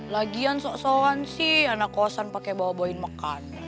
lagian sok soan sih anak kosan pakai bawain makan